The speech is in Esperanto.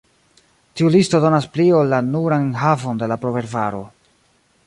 Tiu listo donas pli ol la nuran enhavon de la proverbaro.